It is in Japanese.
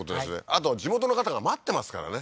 あと地元の方が待ってますからね